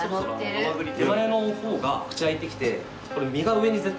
ハマグリ手前の方が口開いてきてこれ身が上に絶対いくんです。